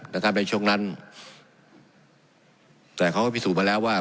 และทำได้ช่วงนั้นแต่เขาก็พิสูจน์มาแล้วว่า